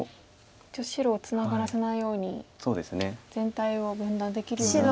一応白をツナがらせないように全体を分断できるように。